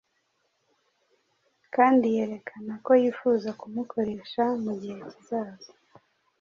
kandi yerekana ko yifuza kumukoresha mu gihe kizaza